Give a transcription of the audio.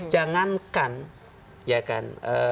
jangankan ya kan